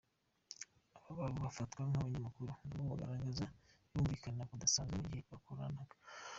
Aba babo bafatwa nk’abanyakuru nabo bagaragaza kumvikana kudasanzwe mu gihe bakorana.